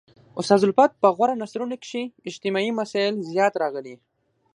استاد الفت په غوره نثرونو کښي اجتماعي مسائل زیات راغلي.